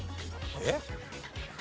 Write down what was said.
えっ？